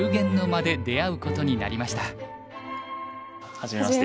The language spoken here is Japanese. はじめまして。